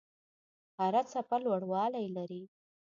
هره څپه لوړوالی لري.